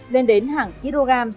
lên đến hàng kg